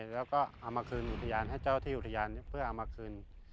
แล้วก็เอามาคืนอุทยานให้เจ้าที่อุทยานเพื่อเอามาคืน